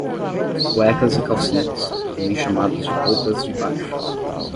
Cuecas e calcinhas, também chamados de roupas de baixo